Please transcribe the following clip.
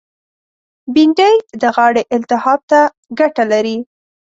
بېنډۍ د غاړې التهاب ته ګټه لري